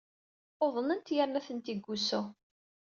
Uḍnent yerna atenti deg wusu.